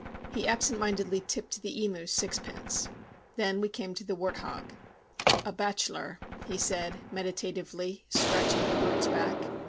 He absent mindedly tipped the emu sixpence. Then we came to the wart hog. "A bachelor," he said, meditatively, scratching the brute's back.